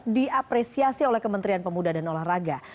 diapresiasi oleh kementerian pemuda dan olahraga